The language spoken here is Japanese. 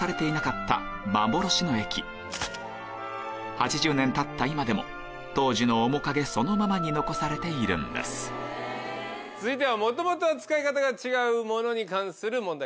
８０年たった今でも当時の面影そのままに残されているんです続いては元々は使い方が違うものに関する問題